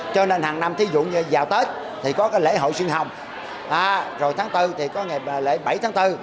cho nên hàng năm ví dụ như vào tết thì có lễ hội xuyên hồng rồi tháng bốn thì có lễ bảy tháng bốn